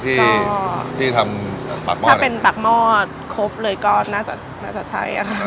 ก็ที่ทำปักมอดถ้าเป็นปักมอดครบเลยก็น่าจะน่าจะใช่ค่ะอ่า